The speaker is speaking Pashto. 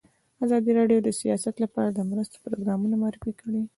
ازادي راډیو د سیاست لپاره د مرستو پروګرامونه معرفي کړي.